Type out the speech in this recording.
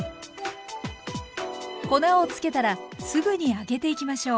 粉をつけたらすぐに揚げていきましょう。